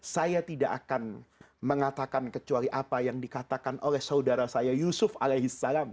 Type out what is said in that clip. saya tidak akan mengatakan kecuali apa yang dikatakan oleh saudara saya yusuf alaihis salam